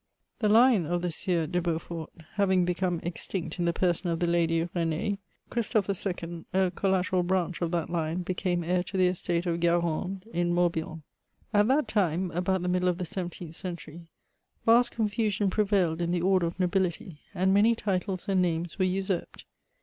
The line of the Sires de Beaufort, having become extinct in the person of the Lady Ben^, Christophe II., a collateral branch of that line, became heir to the estate of Gu^rande, in Morbihan. At that time (about the middle of the seventeeth century), vast ponfusion prevailed in the order of nobility; and many titles and names were usurped.